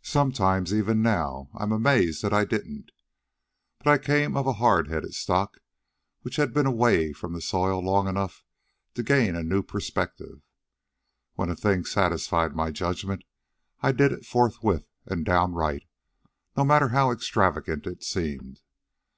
"Sometimes, even now, I'm amazed that I didn't. But I came of a hard headed stock which had been away from the soil long enough to gain a new perspective. When a thing satisfied my judgment, I did it forthwith and downright, no matter how extravagant it seemed.